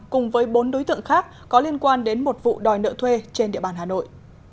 cùng với bốn đối tượng khác có liên quan đến một vụ đòi nợ thuê trên địa bàn hà nội